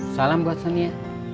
salam buat sonia